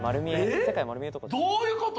どういうこと？